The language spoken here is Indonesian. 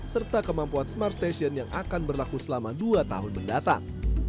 serta kemampuan smart station yang akan berlaku selama dua tahun mendatang